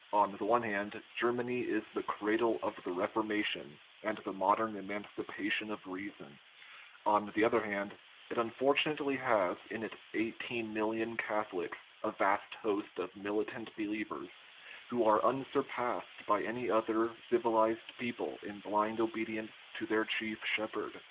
On the one hand 333 THE RIDDLE OF THE UNIVERSE Germany is the cradle of the Reformation and the mod ern emancipation of reason ; on the other hand, it un fortunately has in its 18,000,000 Catholics a vast host of militant believers, who are unsurpassed by any other civilized people in blind obedience to their chief shep herd.